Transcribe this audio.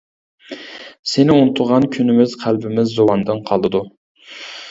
سېنى ئۇنتۇغان كۈنىمىز قەلبىمىز زۇۋاندىن قالىدۇ.